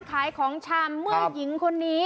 ขายของชำเมื่อหญิงคนนี้